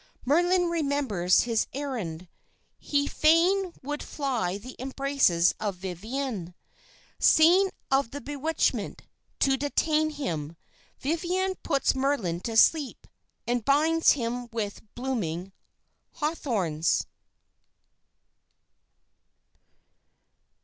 "Merlin remembers his errand. He fain would fly the embraces of Viviane. "Scene of the bewitchment. To detain him, Viviane puts Merlin to sleep, and binds him with blooming hawthorns."